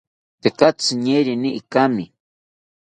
Tekatzi ñeerini ikami